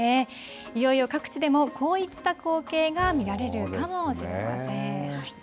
いよいよ各地でもこういった光景が見られるかもしれません。